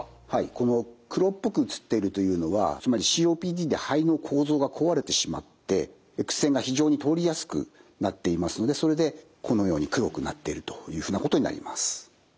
この黒っぽく写っているというのはつまりＣＯＰＤで肺の構造が壊れてしまってＸ線が非常に通りやすくなっていますのでそれでこのように黒くなっているというふうなことになります。